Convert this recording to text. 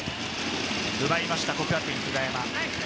奪いました、國學院久我山。